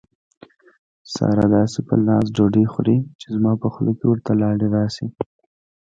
ساره داسې په ناز ډوډۍ خوري، چې زما په خوله کې ورته لاړې راشي.